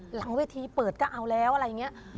หลังเวทีเปิดก็เอาแล้วอะไรอย่างนี้